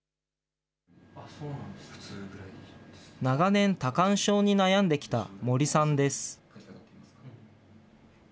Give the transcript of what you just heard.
長年多汗症に悩んできた森さんです。